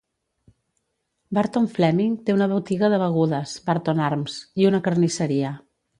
Burton Fleming té una botiga de begudes, Burton Arms, i una carnisseria.